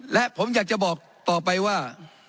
และผมอยากจะบอกต่อไปว่า